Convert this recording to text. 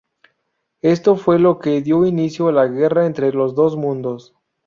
Esto fue lo que dio inicio a la guerra entre los dos mundos.